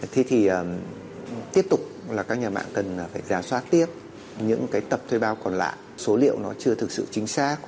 thế thì tiếp tục là các nhà mạng cần phải giả soát tiếp những cái tập thuê bao còn lạ số liệu nó chưa thực sự chính xác